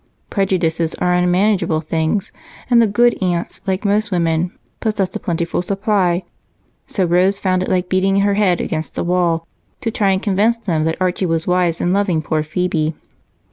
Prejudices are unmanageable things, and the good aunts, like most women, possessed a plentiful supply, so Rose found it like beating her head against a wall to try and convince them that Archie was wise in loving poor Phebe.